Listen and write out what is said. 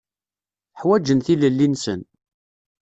Ḥwaǧen tilelli-nsen.